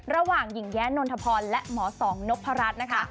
ระหว่างหญิงแย้นนทพรและหมอสองนพรัชนะคะ